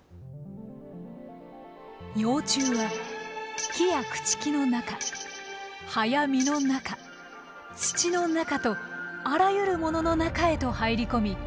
幼虫は木や朽ち木の中葉や実の中土の中とあらゆるものの中へと入り込み